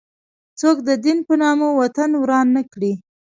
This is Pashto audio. څوک د دین په نامه وطن وران نه کړي.